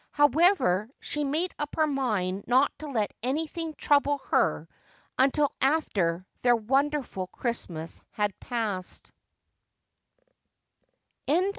However, she made up her mind not to let anything trouble her until after their wonderful Christmas had passed.